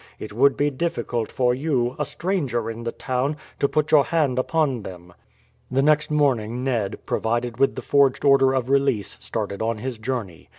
It would be difficult for you, a stranger in the town, to put your hand upon them." The next morning Ned, provided with the forged order of release, started on his journey.